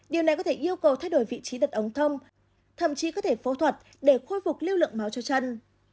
điều này có thể yêu cầu thay đổi vị trí đặt ống thông thậm chí có thể phẫu thuật để khôi phục lưu lượng máu cho chân